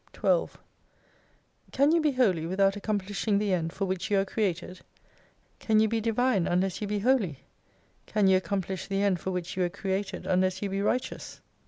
12 Can you be Holy without accomplishing the end for which you are created ? Can you be Divine unless you be Holy ? Can you accomplish the end for which you were created, unless you be Righteous